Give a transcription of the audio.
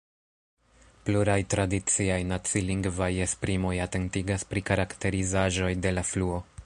Pluraj tradiciaj nacilingvaj esprimoj atentigas pri karakterizaĵoj de la fluo.